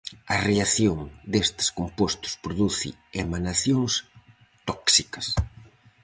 A reacción destes compostos produce emanacións tóxicas.